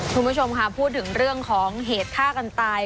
คุณผู้ชมค่ะพูดถึงเรื่องของเหตุฆ่ากันตาย